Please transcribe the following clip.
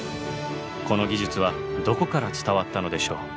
この技術はどこから伝わったのでしょう？